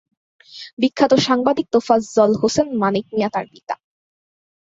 বিখ্যাত সাংবাদিক তোফাজ্জল হোসেন মানিক মিয়া তার পিতা।